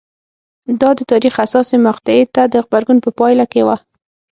دا د تاریخ حساسې مقطعې ته د غبرګون په پایله کې وه